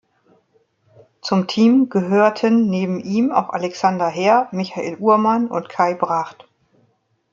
Zum Team gehörten neben ihm auch Alexander Herr, Michael Uhrmann und Kai Bracht.